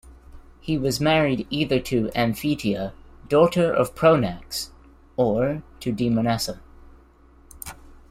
He was married either to Amphithea, daughter of Pronax, or to Demonassa.